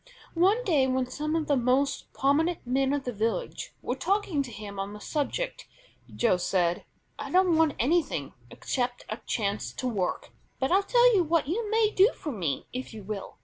One day when some of the most prominent men of the village were talking to him on the subject Joe said: "I don't want anything except a chance to work, but I'll tell you what you may do for me if you will.